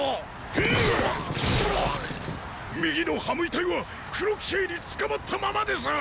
右のハムイ隊は黒騎兵につかまったままです！